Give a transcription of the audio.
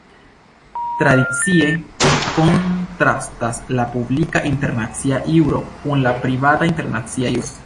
Tradicie kontrastas la "publika internacia juro" kun la "privata internacia juro".